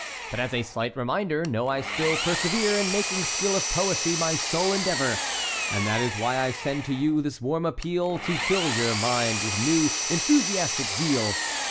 But as a slight reminder—know I still persevere In making skill of poesy my sole endeavor. And that is why I send to you this warm appeal, To fill your mind with new, enthusiastic zeal.